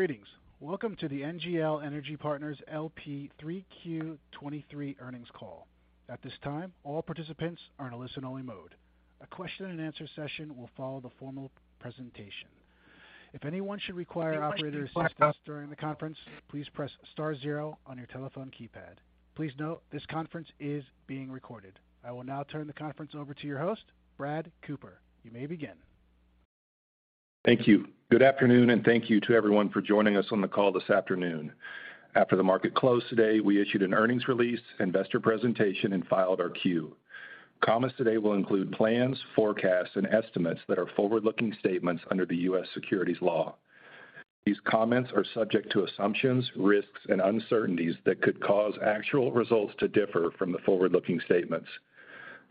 Greetings. Welcome to the NGL Energy Partners LP 3Q 2023 earnings call. At this time, all participants are in a listen-only mode. A question and answer session will follow the formal presentation. If anyone should require operator assistance during the conference, please press star zero on your telephone keypad. Please note this conference is being recorded. I will now turn the conference over to your host, Brad Cooper. You may begin. Thank you. Good afternoon, and thank you to everyone for joining us on the call this afternoon. After the market closed today, we issued an earnings release, investor presentation, and filed our Q. Comments today will include plans, forecasts, and estimates that are forward-looking statements under the U.S. securities law. These comments are subject to assumptions, risks, and uncertainties that could cause actual results to differ from the forward-looking statements.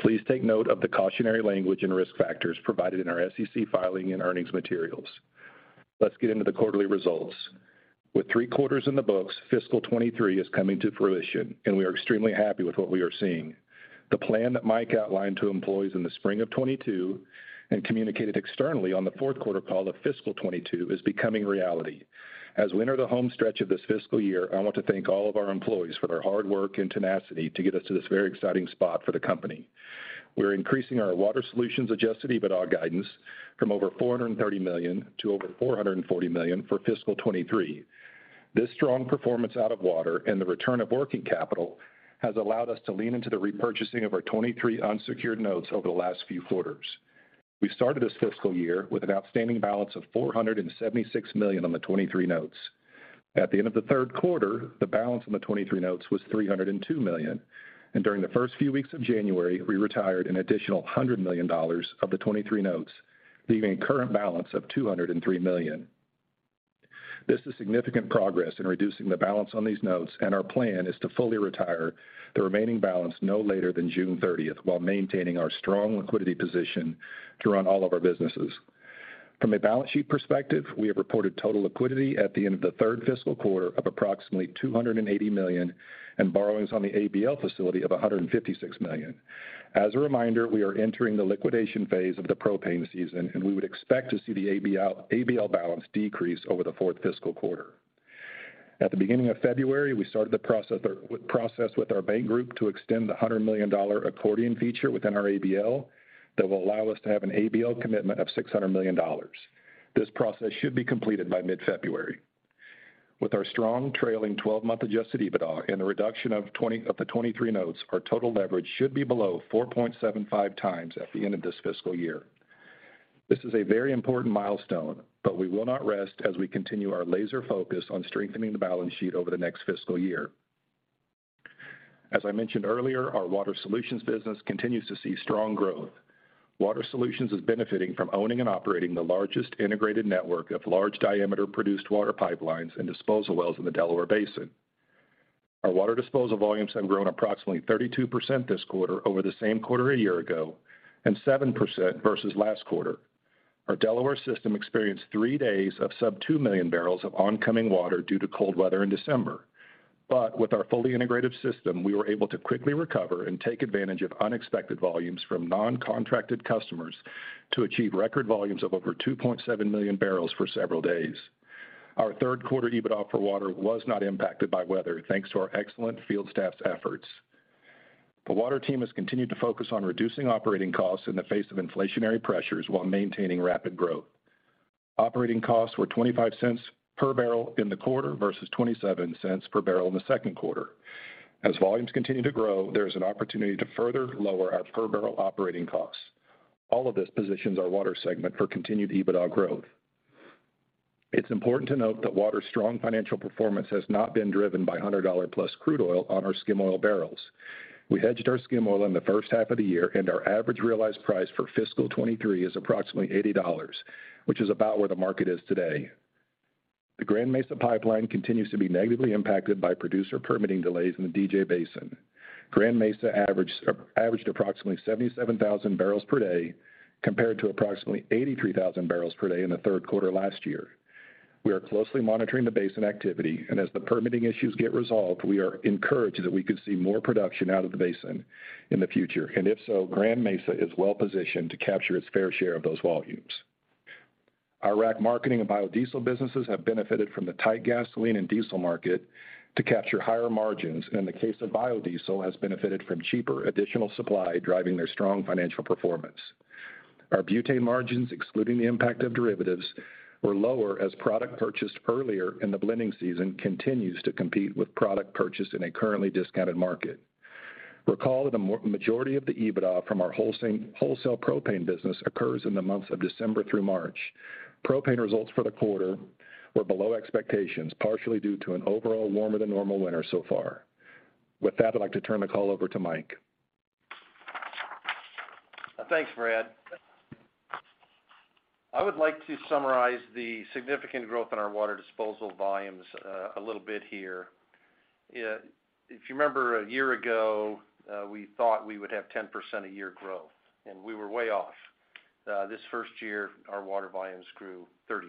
Please take note of the cautionary language and risk factors provided in our SEC filing and earnings materials. Let's get into the quarterly results. With three quarters in the books, fiscal 2023 is coming to fruition, and we are extremely happy with what we are seeing. The plan that Mike outlined to employees in the spring of 2022 and communicated externally on the fourth quarter call of fiscal 2022 is becoming reality. As we enter the home stretch of this fiscal year, I want to thank all of our employees for their hard work and tenacity to get us to this very exciting spot for the company. We're increasing our Water Solutions adjusted EBITDA guidance from over $430 million to over $440 million for fiscal 2023. This strong performance out of Water and the return of working capital has allowed us to lean into the repurchasing of our 2023 unsecured notes over the last few quarters. We started this fiscal year with an outstanding balance of $476 million on the 2023 notes. At the end of the third quarter, the balance on the 2023 notes was $302 million. During the first few weeks of January, we retired an additional $100 million of the 23 notes, leaving a current balance of $203 million. This is significant progress in reducing the balance on these notes, and our plan is to fully retire the remaining balance no later than June thirtieth while maintaining our strong liquidity position to run all of our businesses. From a balance sheet perspective, we have reported total liquidity at the end of the third fiscal quarter of approximately $280 million and borrowings on the ABL facility of $156 million. As a reminder, we are entering the liquidation phase of the propane season, and we would expect to see the ABL balance decrease over the fourth fiscal quarter. At the beginning of February, we started the process with process with our bank group to extend the $100 million accordion feature within our ABL that will allow us to have an ABL commitment of $600 million. This process should be completed by mid-February. With our strong trailing 12-month adjusted EBITDA and the reduction of the 23 notes, our total leverage should be below 4.75x at the end of this fiscal year. This is a very important milestone. We will not rest as we continue our laser focus on strengthening the balance sheet over the next fiscal year. As I mentioned earlier, our Water Solutions business continues to see strong growth. Water Solutions is benefiting from owning and operating the largest integrated network of large diameter produced water pipelines and disposal wells in the Delaware Basin. Our water disposal volumes have grown approximately 32% this quarter over the same quarter a year ago and 7% versus last quarter. Our Delaware system experienced three days of sub 2 million barrels of oncoming water due to cold weather in December. With our fully integrated system, we were able to quickly recover and take advantage of unexpected volumes from non-contracted customers to achieve record volumes of over 2.7 million barrels for several days. Our third quarter EBITDA for water was not impacted by weather, thanks to our excellent field staff's efforts. The water team has continued to focus on reducing operating costs in the face of inflationary pressures while maintaining rapid growth. Operating costs were $0.25 per barrel in the quarter versus $0.27 per barrel in the second quarter. As volumes continue to grow, there is an opportunity to further lower our per barrel operating costs. All of this positions our water segment for continued EBITDA growth. It's important to note that water's strong financial performance has not been driven by $100-plus crude oil on our skim oil barrels. We hedged our skim oil in the first half of the year. Our average realized price for fiscal 23 is approximately $80, which is about where the market is today. The Grand Mesa pipeline continues to be negatively impacted by producer permitting delays in the DJ Basin. Grand Mesa averaged approximately 77,000 barrels per day, compared to approximately 83,000 barrels per day in the third quarter last year. We are closely monitoring the basin activity, and as the permitting issues get resolved, we are encouraged that we could see more production out of the basin in the future. If so, Grand Mesa is well-positioned to capture its fair share of those volumes. Our rack marketing and biodiesel businesses have benefited from the tight gasoline and diesel market to capture higher margins, and in the case of biodiesel, has benefited from cheaper additional supply driving their strong financial performance. Our butane margins, excluding the impact of derivatives, were lower as product purchased earlier in the blending season continues to compete with product purchased in a currently discounted market. Recall that majority of the EBITDA from our wholesale propane business occurs in the months of December through March. Propane results for the quarter were below expectations, partially due to an overall warmer than normal winter so far. With that, I'd like to turn the call over to Mike. Thanks, Brad. I would like to summarize the significant growth in our water disposal volumes, a little bit here. If you remember a year ago, we thought we would have 10% a year growth. We were way off. This first year, our water volumes grew 30%.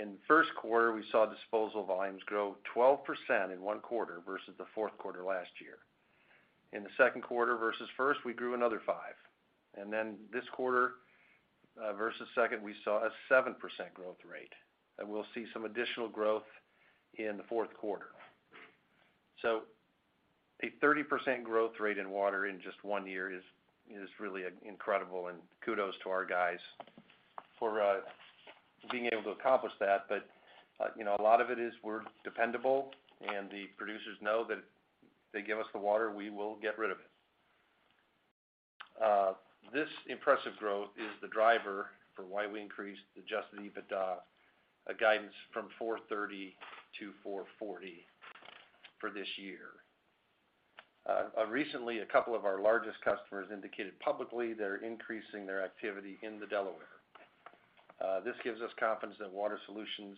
In the first quarter, we saw disposal volumes grow 12% in one quarter versus the fourth quarter last year. In the second quarter versus first, we grew another 5%. This quarter, versus second, we saw a 7% growth rate. We'll see some additional growth in the fourth quarter. A 30% growth rate in water in just 1 year is really incredible, and kudos to our guys for being able to accomplish that. You know, a lot of it is we're dependable and the producers know that if they give us the water, we will get rid of it. This impressive growth is the driver for why we increased the adjusted EBITDA guidance from $430 million to $440 million for this year. Recently, a couple of our largest customers indicated publicly they're increasing their activity in the Delaware. This gives us confidence that Water Solutions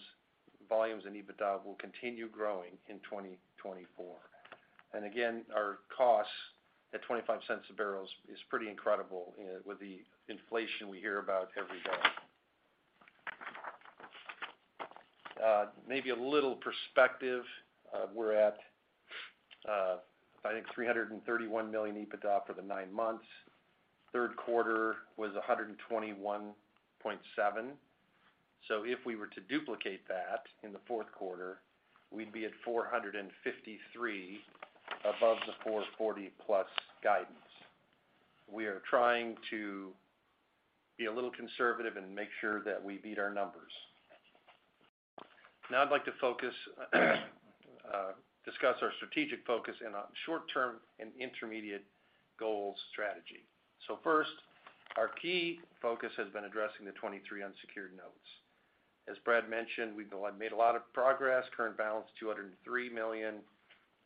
volumes and EBITDA will continue growing in 2024. Again, our costs at $0.25 a barrel is pretty incredible with the inflation we hear about every day. Maybe a little perspective. We're at, I think $331 million EBITDA for the nine months. Third quarter was $121.7 million. If we were to duplicate that in the fourth quarter, we'd be at $453 million above the $440+ million guidance. We are trying to be a little conservative and make sure that we beat our numbers. Now I'd like to discuss our strategic focus in a short-term and intermediate goal strategy. First, our key focus has been addressing the 2023 unsecured notes. As Brad mentioned, we've made a lot of progress. Current balance, $203 million,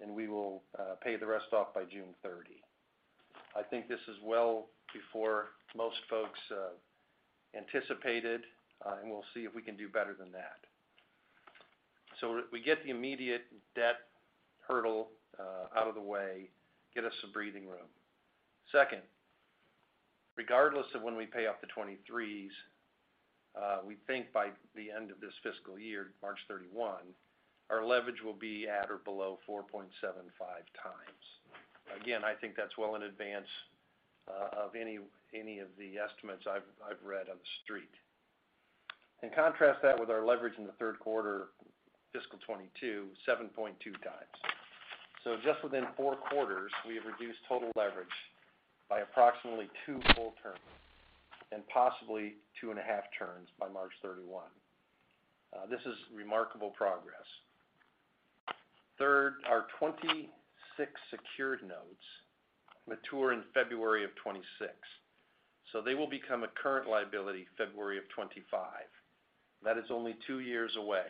and we will pay the rest off by June 30. I think this is well before most folks anticipated. We'll see if we can do better than that. We get the immediate debt hurdle out of the way, get us some breathing room. Second, regardless of when we pay off the 2023s, we think by the end of this fiscal year, March 31, our leverage will be at or below 4.75x. Again, I think that's well in advance of any of the estimates I've read on the street. Contrast that with our leverage in the third quarter fiscal 2022, 7.2x. Just within 4 quarters, we have reduced total leverage by approximately 2 full turns, and possibly 2.5 turns by March 31. This is remarkable progress. Our 2026 secured notes mature in February of 2026, they will become a current liability February of 2025. That is only two years away.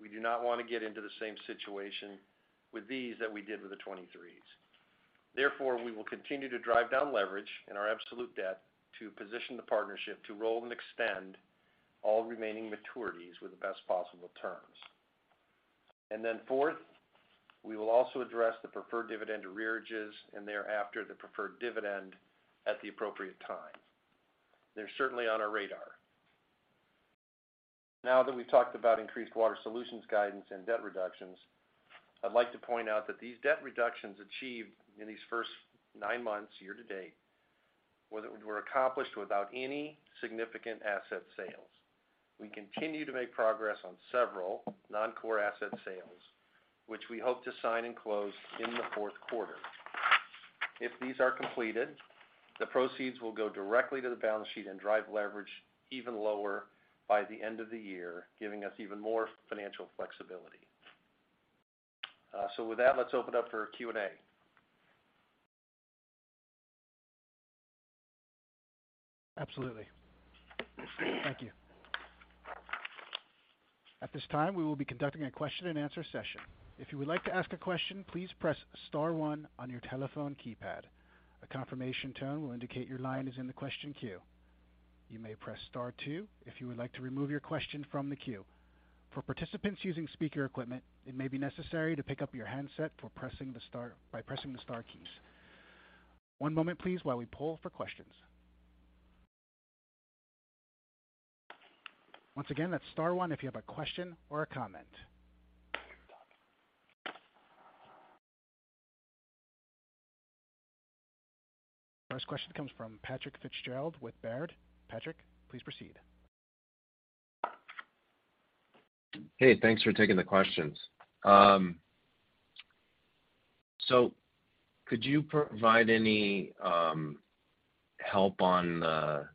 We do not want to get into the same situation with these that we did with the 2023s. We will continue to drive down leverage and our absolute debt to position the partnership to roll and extend all remaining maturities with the best possible terms. We will also address the preferred dividend arrearages and thereafter the preferred dividend at the appropriate time. They're certainly on our radar. Now that we've talked about increased Water Solutions guidance and debt reductions, I'd like to point out that these debt reductions achieved in these first nine months year to date were accomplished without any significant asset sales. We continue to make progress on several non-core asset sales, which we hope to sign, and close in the fourth quarter. If these are completed, the proceeds will go directly to the balance sheet and drive leverage even lower by the end of the year, giving us even more financial flexibility. With that, let's open up for Q&A. Absolutely. Thank you. At this time, we will be conducting a question-and-answer session. If you would like to ask a question, please press star one on your telephone keypad. A confirmation tone will indicate your line is in the question queue. You may press Star two if you would like to remove your question from the queue. For participants using speaker equipment, it may be necessary to pick up your handset for pressing the star keys. One moment please while we poll for questions. Once again, that's star one if you have a question or a comment. First question comes from Patrick Fitzgerald with Baird. Patrick, please proceed. Hey, thanks for taking the questions. Could you provide any help on the,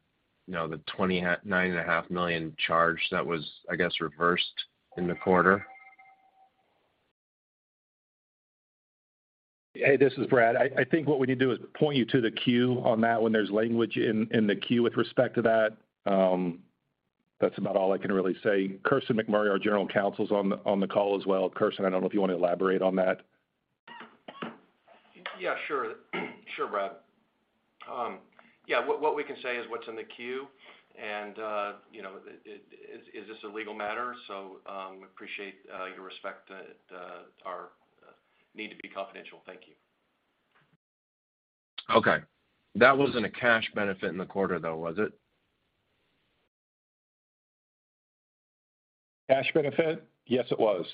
you know, the 29 and a half million charge that was, I guess, reversed in the quarter? Hey, this is Brad. I think what we need to do is point you to the Q on that one. There's language in the Q with respect to that. That's about all I can really say. Kirsten McMurray, our general counsel, is on the call as well. Krsten, I don't know if you want to elaborate on that. Yeah, sure. Sure, Brad. Yeah. What we can say is what's in the Q and, you know, it is just a legal matter. Appreciate your respect to our need to be confidential. Thank you. That wasn't a cash benefit in the quarter though, was it? Cash benefit? Yes, it was.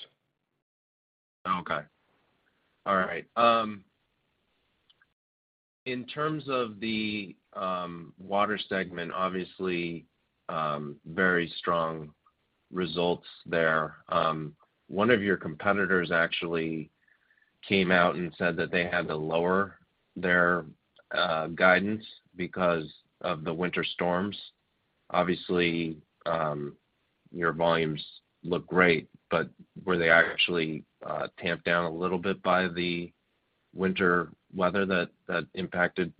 In terms of the water segment, obviously, very strong results there. One of your competitors actually came out, and said that they had to lower their guidance because of the winter storms. Obviously, your volumes look great, but were they actually tamped down a little bit by the winter weather that impacted,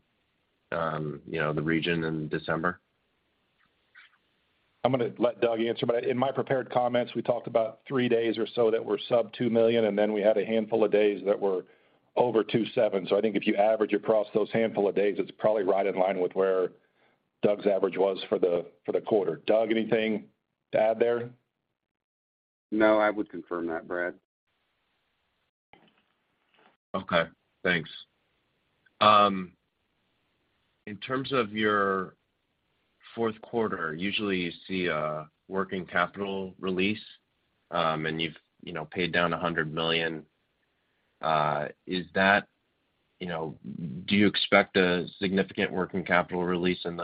you know, the region in December? I'm gonna let Doug answer, but in my prepared comments, we talked about three days or so that were sub $2 million, and then we had a handful of days that were over $2.7 million. I think if you average across those handful of days, it's probably right in line with where Doug's average was for the quarter. Doug, anything to add there? No, I would confirm that, Brad. Okay, Thanks. In terms of your fourth quarter, usually you see a working capital release, you've, you know, paid down $100 million. You know, do you expect a significant working capital release in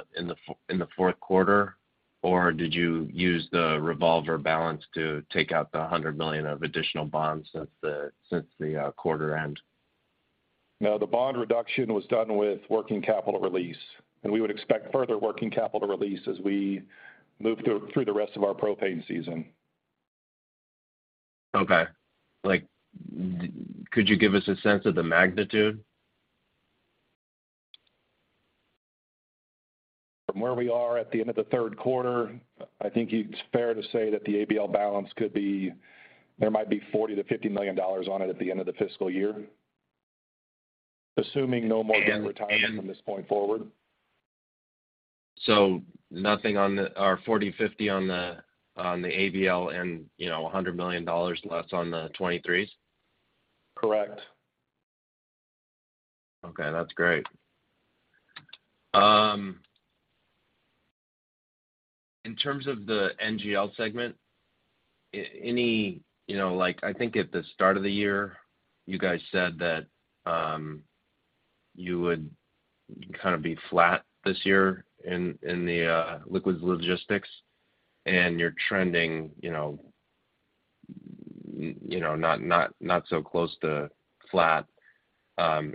the fourth quarter? Did you use the revolver balance to take out the $100 million of additional bonds since the quarter end? No, the bond reduction was done with working capital release, and we would expect further working capital release as we move through the rest of our propane season. Okay. Like, could you give us a sense of the magnitude? From where we are at the end of the third quarter, I think it's fair to say that the ABL balance there might be $40 million-$50 million on it at the end of the fiscal year, assuming no more debt retirement from this point forward. Nothing or $40-$50 on the ABL and, you know, $100 million less on the 2023s? Correct. That's great. In terms of the NGL segment, any... You know, like, I think at the start of the year, you guys said that you would kind of be flat this year in the Liquids Logistics, and you're trending, you know, not so close to flat,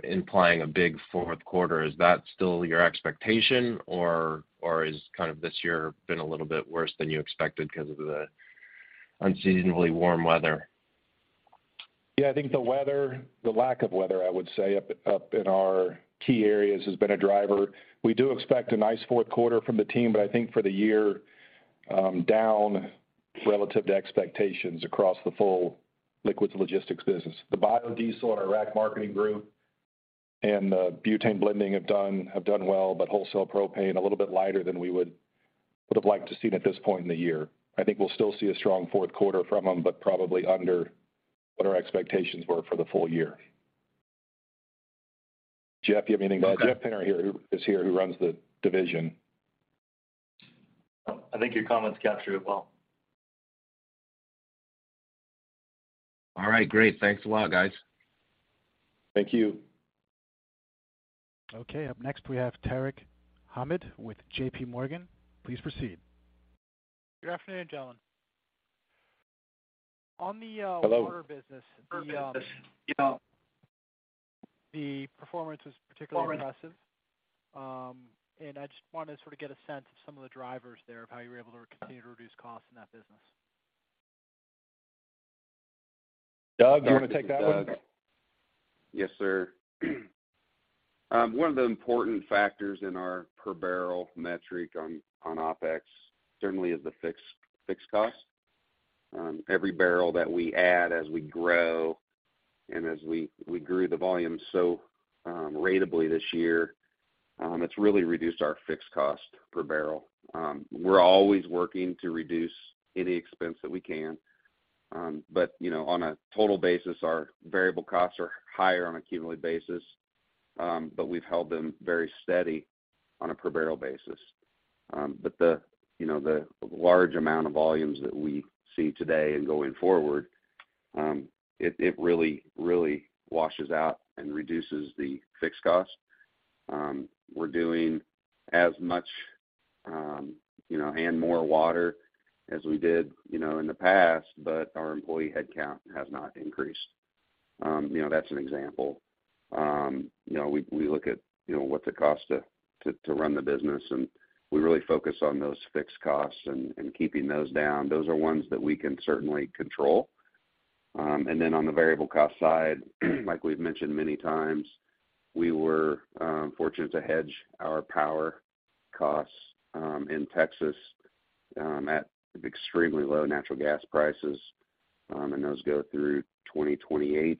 implying a big fourth quarter. Is that still your expectation or is kind of this year been a little bit worse than you expected because of the unseasonably warm weather? I think the weather, the lack of weather, I would say, up in our key areas has been a driver. We do expect a nice fourth quarter from the team, but I think for the year, down relative to expectations across the full Liquids Logistics business. The biodiesel and our rack marketing group and the butane blending have done well, wholesale propane a little bit lighter than we would have liked to seen at this point in the year. I think we'll still see a strong fourth quarter from them, but probably under what our expectations were for the full year. Jeff, you have anything to add? Jeff Pinter is here, who runs the division. I think your comments capture it well. All right, great. Thanks a lot, guys. Thank you. Okay. Up next, we have Tarek Hamid with JPMorgan. Please proceed. Good afternoon, gentlemen. On the. Hello. Water business, the, you know, the performance was particularly impressive. I just wanted to sort of get a sense of some of the drivers there of how you were able to continue to reduce costs in that business. Doug, do you want to take that one? Yes, sir. One of the important factors in our per barrel metric on OpEx certainly is the fixed cost. Every barrel that we add as we grow and as we grew the volume so ratably this year, it's really reduced our fixed cost per barrel. We're always working to reduce any expense that we can. You know, on a total basis, our variable costs are higher on a cumulative basis, but we've held them very steady on a per barrel basis. The, you know, the large amount of volumes that we see today and going forward, it really washes out, and reduces the fixed cost. We're doing as much, you know, and more water as we did, you know, in the past, but our employee headcount has not increased. You know, that's an example. You know, we look at, you know, what's it cost to run the business, and we really focus on those fixed costs, and keeping those down. Those are ones that we can certainly control. On the variable cost side, like we've mentioned many times, we were fortunate to hedge our power costs in Texas at extremely low natural gas prices, and those go through 2028.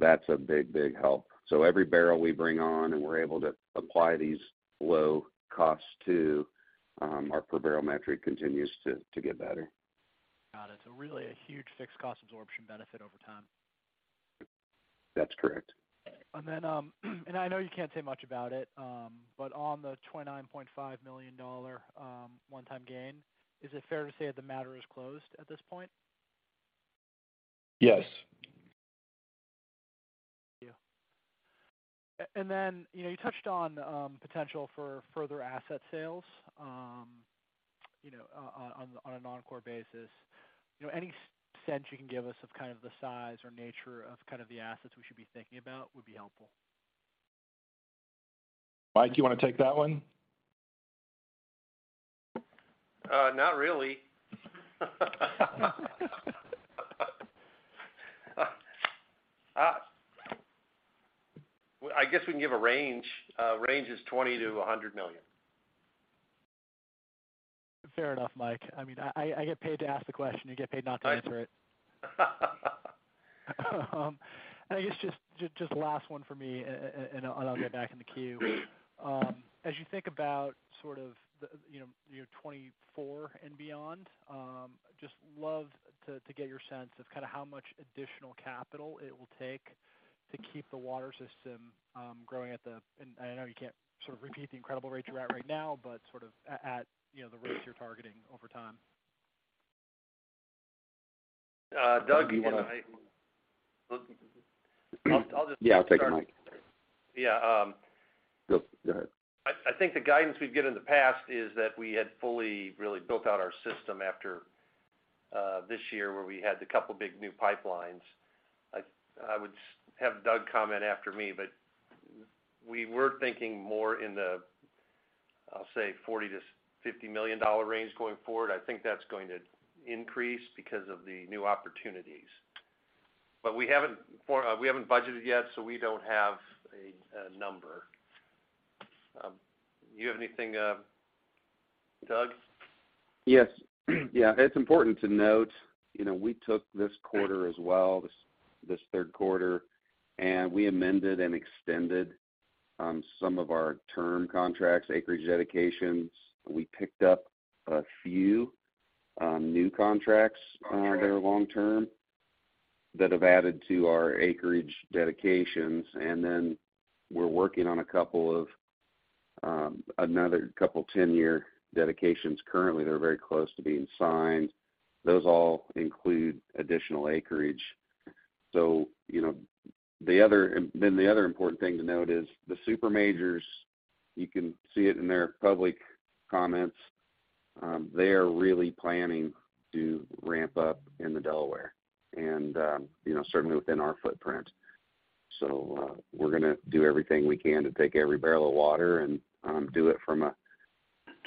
That's a big help. Every barrel we bring on and we're able to apply these low costs to, our per barrel metric continues to get better. Got it. Really a huge fixed cost absorption benefit over time. That's correct. I know you can't say much about it, but on the $29.5 million one-time gain, is it fair to say the matter is closed at this point? Yes. Thank you. You know, you touched on potential for further asset sales, you know, on a non-core basis. You know, any sense you can give us of kind of the size or nature of kind of the assets we should be thinking about would be helpful? Mike, you wanna take that one? Not really. I guess we can give a range. Range is $20 million-$100 million. Fair enough, Mike. I mean, I get paid to ask the question. You get paid not to answer it. I guess just last one for me and I'll get back in the queue. As you think about sort of the, you know, year 2024 and beyond, just love to get your sense of kinda how much additional capital it will take to keep the water system, growing at the. I know you can't sort of repeat the incredible rates you're at right now, but sort of at, you know, the rates you're targeting over time. Doug and I... Do you wanna- I'll just- Yeah, I'll take it, Mike. Yeah. Go ahead. I think the guidance we've given in the past is that we had fully really built out our system after this year where we had the couple big new pipelines. I would have Doug comment after me, but we were thinking more in the, I'll say, $40 million-$50 million range going forward. I think that's going to increase because of the new opportunities. We haven't budgeted yet, so we don't have a number. You have anything, Doug? Yes. Yeah, it's important to note, you know, we took this quarter as well, this third quarter. We amended and extended some of our term contracts, acreage dedications. We picked up a few new contracts that are long term, that have added to our acreage dedications. We're working on a couple of another couple 10-year dedications currently. They're very close to being signed. Those all include additional acreage. You know, the other important thing to note is the super majors, you can see it in their public comments, they are really planning to ramp up in the Delaware and, you know, certainly within our footprint. We're gonna do everything we can to take every barrel of water and do it from a,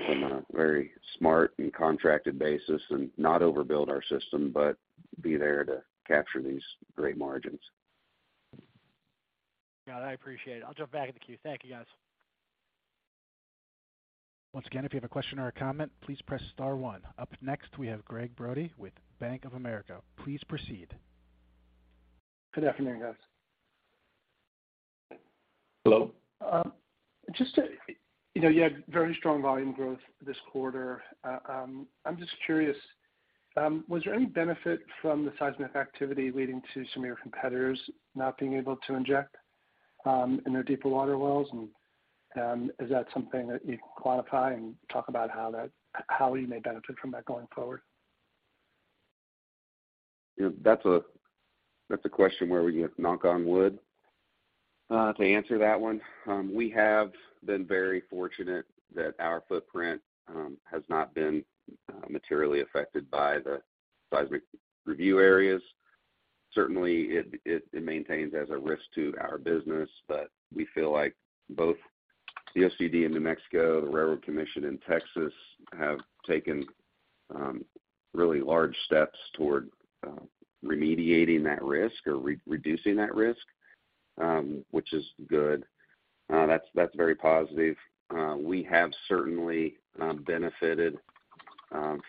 from a very smart, and contracted basis and not overbuild our system, but be there to capture these great margins. Got it. I appreciate it. I'll jump back in the queue. Thank you, guys. Once again, if you have a question or a comment, please press star one. Up next, we have Gregg Brody with Bank of America. Please proceed. Good afternoon, guys. Hello. You know, you had very strong volume growth this quarter. I'm just curious, was there any benefit from the seismic activity leading to some of your competitors not being able to inject, in their deeper water wells? Is that something that you can quantify and talk about how you may benefit from that going forward? That's a question where we have to knock on wood to answer that one. We have been very fortunate that our footprint has not been materially affected by the seismic review areas. Certainly, it maintains as a risk to our business, but we feel like both the OCD in New Mexico, the Railroad Commission in Texas, have taken really large steps toward remediating that risk or re-reducing that risk, which is good. That's very positive. We have certainly benefited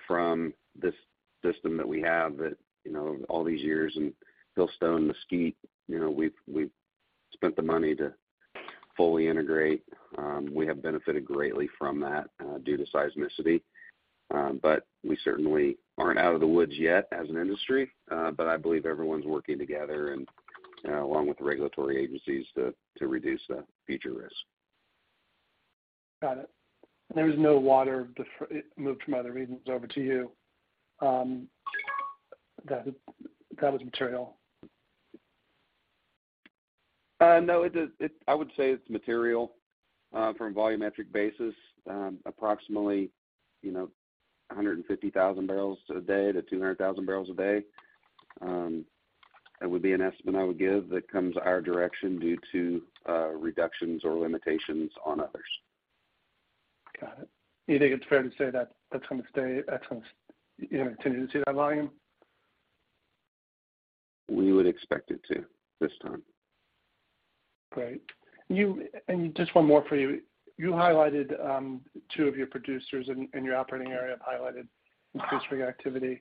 from this system that we have that, you know, all these years in Hillstone, Mesquite, you know, we've spent the money to fully integrate. We have benefited greatly from that due to seismicity. We certainly aren't out of the woods yet as an industry. I believe everyone's working together and, you know, along with the regulatory agencies to reduce the future risk. Got it. There was no water moved from other regions over to you, that was material. No, I would say it's material, from a volumetric basis, approximately, you know, 150,000 barrels a day to 200,000 barrels a day. That would be an estimate I would give that comes our direction due to reductions or limitations on others. Got it. You think it's fair to say that that's gonna stay at tons, you're gonna continue to see that volume? We would expect it to this time. Great. Just one more for you. You highlighted, two of your producers in your operating area, have highlighted increased rig activity.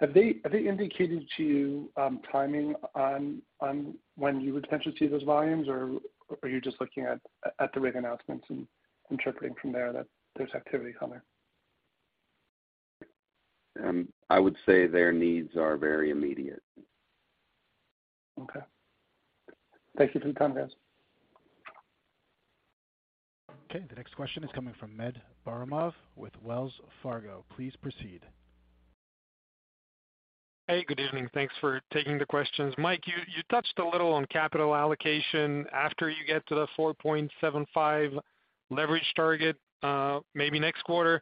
Have they indicated to you, timing on when you would potentially see those volumes? Or are you just looking at the rig announcements and interpreting from there that there's activity coming? I would say their needs are very immediate. Okay. Thank you for the time, guys. The next question is coming from Ned Baramov with Wells Fargo. Please proceed. Hey, good evening. Thanks for taking the questions. Mike, you touched a little on capital allocation after you get to the 4.75 leverage target, maybe next quarter.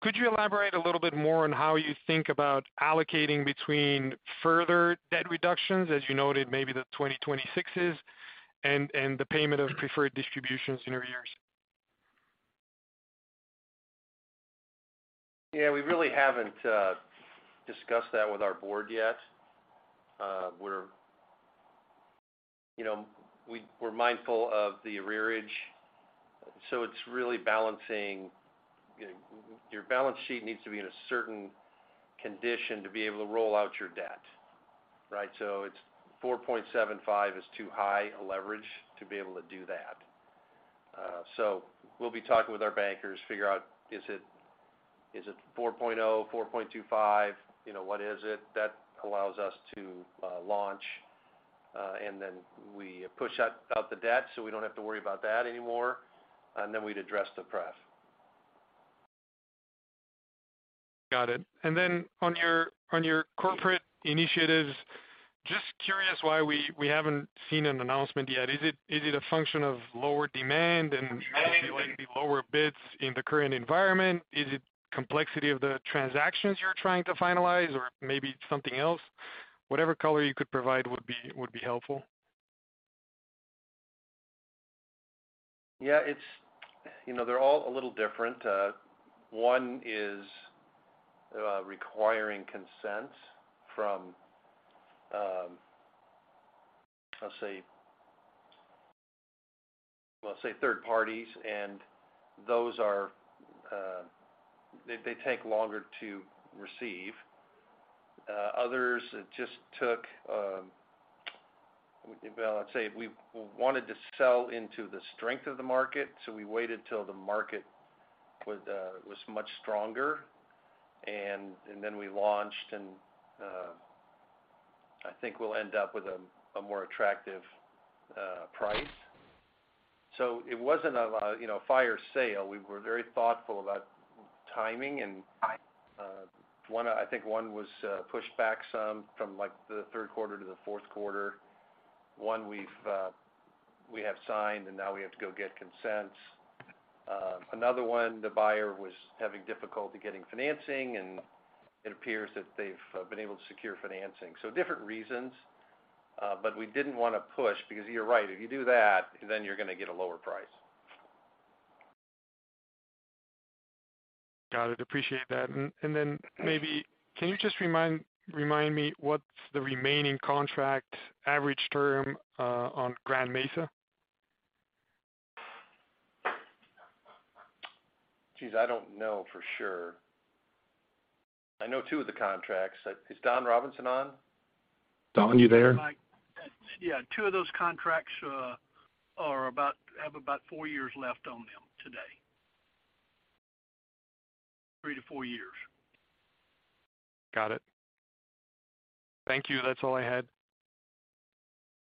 Could you elaborate a little bit more on how you think about allocating between further debt reductions, as you noted, maybe the 2026s and the payment of preferred distributions in arrears? Yeah, we really haven't discussed that with our board yet. We're, you know, we're mindful of the arrearage, so it's really balancing, you know, your balance sheet needs to be in a certain condition to be able to roll out your debt, right? It's 4.75 is too high a leverage to be able to do that. We'll be talking with our bankers, figure out is it, is it 4.0, 4.25? You know, what is it that allows us to launch? We push out the debt, so we don't have to worry about that anymore, and then we'd address the pref. Got it. On your corporate initiatives, just curious why we haven't seen an announcement yet. Is it a function of lower demand? Maybe. maybe like the lower bids in the current environment? Is it complexity of the transactions you're trying to finalize or maybe something else? Whatever color you could provide would be helpful. Yeah, it's... You know, they're all a little different. One is requiring consent from, let's say, let's say third parties, and those are, they take longer to receive. Others it just took, well, let's say we wanted to sell into the strength of the market, so we waited till the market was much stronger, and then we launched. I think we'll end up with a more attractive price. It wasn't a, you know, fire sale. We were very thoughtful about timing, and I think one was pushed back some from like the third quarter to the fourth quarter. One we've signed, and now we have to go get consents. Another one, the buyer was having difficulty getting financing, and it appears that they've been able to secure financing. Different reasons, but we didn't wanna push because you're right. If you do that, then you're gonna get a lower price. Got it. Appreciate that. Then maybe can you just remind me what's the remaining contract average term on Grand Mesa? Geez, I don't know for sure. I know two of the contracts. Is Don Robinson on? Don, you there? Yeah. Two of those contracts have about four years left on them today. Three to four years. Got it. Thank you. That's all I had.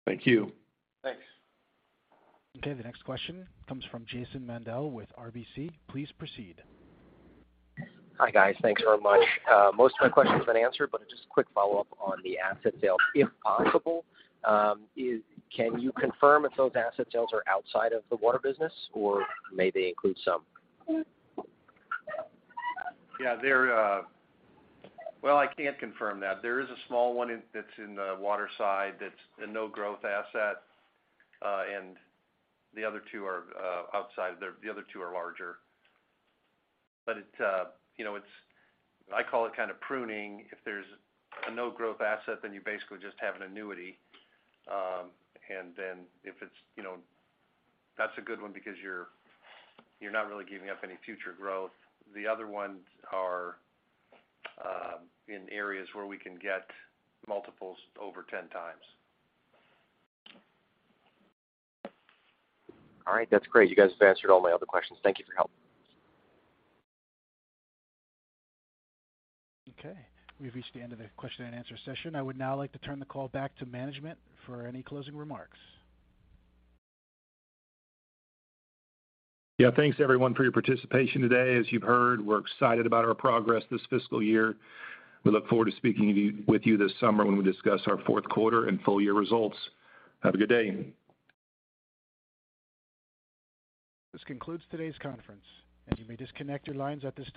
Thank you. Thanks. The next question comes from Jason Mandel with RBC. Please proceed. Hi, guys. Thanks very much. Most of my questions have been answered, just a quick follow-up on the asset sale, if possible. Can you confirm if those asset sales are outside of the water business or may they include some? Yeah, they're. Well, I can't confirm that. There is a small one in the water side that's a no growth asset. The other two are, outside the other two are larger. It's, you know, I call it kinda pruning. If there's a no growth asset, then you basically just have an annuity. Then if it's, you know, that's a good one because you're not really giving up any future growth. The other ones are, in areas where we can get multiples over 10x. That's great. You guys have answered all my other questions. Thank you for your help. We've reached the end of the question and answer session. I would now like to turn the call back to management for any closing remarks. Yeah. Thanks, everyone, for your participation today. As you've heard, we're excited about our progress this fiscal year. We look forward to speaking with you this summer when we discuss our fourth quarter and full year results. Have a good day. This concludes today's conference and you may disconnect your lines at this time.